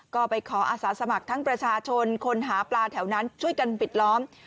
ก็ไปขออาสาสมัครทั้งประชาชนคนหาปลาแถวนั้นช่วยกันปิดล้อม